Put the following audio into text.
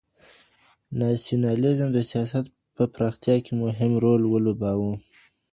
ناسيوناليزم د سياست په پراختيا کي مهم رول ولوباوه.